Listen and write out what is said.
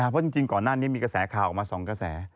เพราะจริงก่อนหน้านี้มีกระแสข่าวออกมา๒กระแส